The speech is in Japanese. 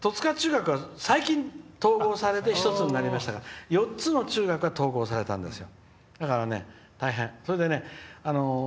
いやいや十津川中学は最近、統合されて１つになりましたから４つの中学が統合されたんですよ。